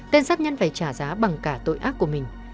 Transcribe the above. tên sát nhân phải trả giá bằng cả tội ác của mình